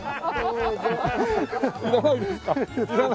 いらないですか？